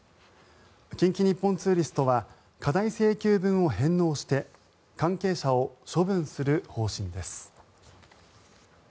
近畿日本ツーリストは過大請求分を返納して関係者を処分する方針です。